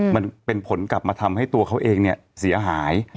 มันเป็นผลกลับมาทำให้ตัวเขาเองเนี่ยเสียหาย